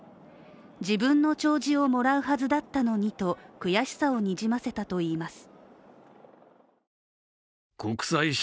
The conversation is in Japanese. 自分の弔辞をもらうはずだったのにと悔しさをにじませたといいます。